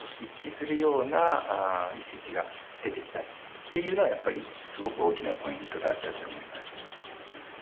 っていうのはやっぱりすごく大きなポイントだったと思います。